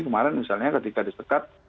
kemarin misalnya ketika disekat